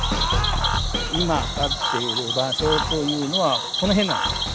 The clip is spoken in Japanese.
今立っている場所というのはこの辺なんです。